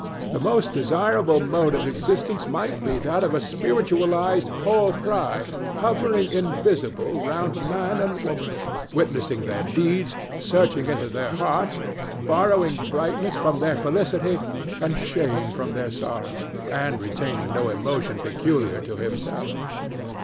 The most desirable mode of existence might be that of a spiritualized Paul Pry hovering invisible round man and woman, witnessing their deeds, searching into their hearts, borrowing brightness from their felicity and shade from their sorrow, and retaining no emotion peculiar to himself.